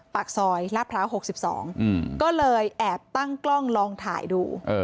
ปากซอยลาดพร้าว๖๒ก็เลยแอบตั้งกล้องลองถ่ายดู